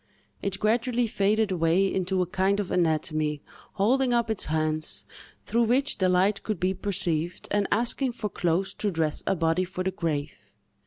It gradually faded away into a kind of anatomy, holding up its hands, through which the light could be perceived, and asking for clothes to dress a body for the grave.